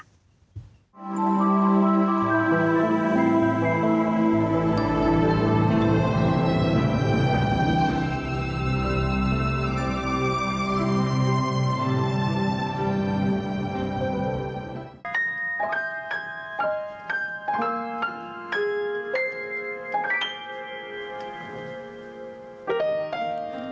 โปรบาล